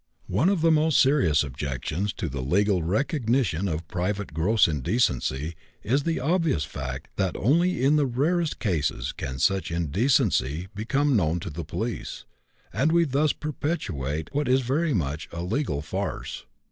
One of the most serious objections to the legal recognition of private "gross indecency" is the obvious fact that only in the rarest cases can such indecency become known to the police, and we thus perpetrate what is very much like a legal farce.